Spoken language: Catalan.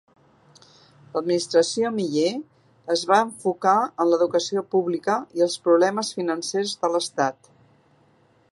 L'administració Miller es va enfocar en l'educació pública i els problemes financers de l'estat.